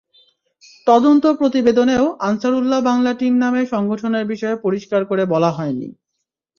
তদন্ত প্রতিবেদনেও আনসারুল্লাহ বাংলা টিম নামে সংগঠনের বিষয়ে পরিষ্কার করে বলা হয়নি।